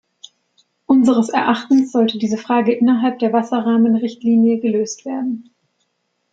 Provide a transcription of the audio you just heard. Unseres Erachtens sollte diese Frage innerhalb der Wasserrahmenrichtlinie gelöst werden.